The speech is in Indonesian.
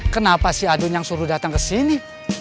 kenapa si adun yang suruh datang ke sini